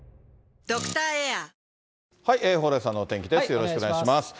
よろしくお願いします。